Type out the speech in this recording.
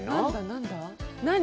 何だ何だ？